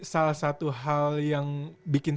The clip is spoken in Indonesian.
salah satu hal yang bikin